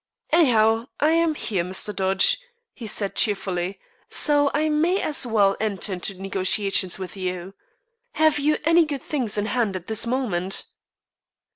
"Anyhow, I am here, Mr. Dodge," he said cheerfully, "so I may as well enter into negotiations with you. Have you any good things in hand at this moment?"